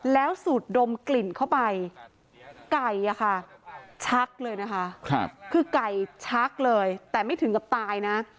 แล้วสูดดมกลิ่นเข้าไปไก่อะค่ะชักเลยนะคะคือไก่ชักเลยแต่ไม่ถึงกับตายนะ